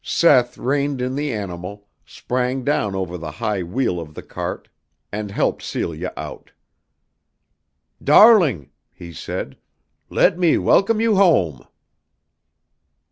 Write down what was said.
Seth reined in the animal, sprang down over the high wheel of the cart and helped Celia out. "Darling," he said, "let me welcome you home!"